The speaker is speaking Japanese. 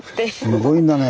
すごいんだね